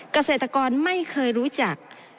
เกษตรกรไม่เคยรู้จัก